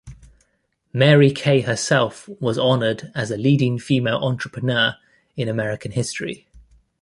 Mary Kay herself was honored as a leading female entrepreneur in American history.